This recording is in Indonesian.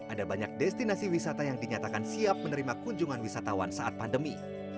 ada banyak destinasi wisata yang dinyatakan siap menerima kunjungan wisatawan saat pandemi